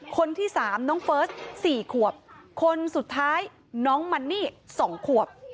คนที่๓น้องเฟิร์ส๔ขวบคนสุดท้ายน้องมันนี่๒ขวบ